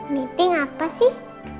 meeting apa sih